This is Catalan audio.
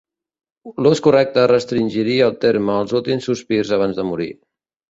L'ús correcte restringiria el terme als últims sospirs abans de morir.